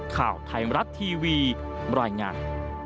ข่าวไทยมรัฐทีวีบรรยายงาน